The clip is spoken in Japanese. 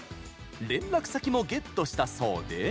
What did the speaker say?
連絡先もゲットしたそうで。